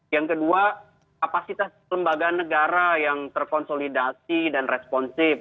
yang kedua kapasitas lembaga negara yang terkonsolidasi dan responsif